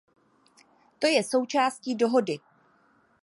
To je součástí dohody.